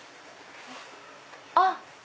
あっ！